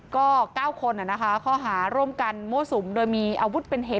ก็๙คนข้อหาร่วมกันมั่วสุมโดยมีอาวุธเป็นเหตุ